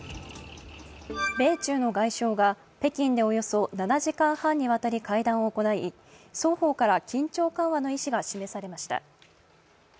米中の外相が北京でおよそ７時間半にわたり会談を行い、双方から緊張緩和の意思が示されました。